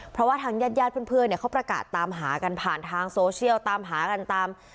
เพราะว่าทางญาติญาติเพื่อนเขาประกาศตามหากันผ่านทางโซเชียลตามหากันตาม